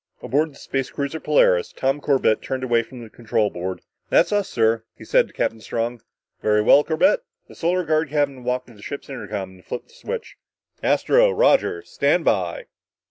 Aboard the space cruiser Polaris, Tom Corbett turned away from the control board. "That's us, sir," he said to Captain Strong. "Very well, Corbett." The Solar Guard captain walked to the ship's intercom and flipped on the switch. "Astro, Roger, stand by!"